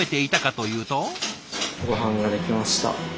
ごはんができました。